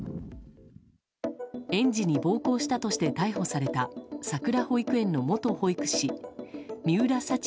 園児に暴行したとして逮捕されたさくら保育園の元保育士三浦沙知